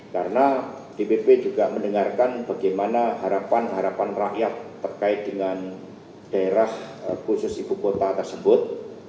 karena dpp juga mendengarkan bagaimana harapan harapan rakyat terkait dengan daerah khusus ibu kota tersebut